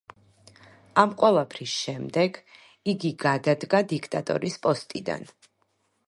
ამ ყველაფრის შემდეგ იგი გადადგა დიქტატორის პოსტიდან.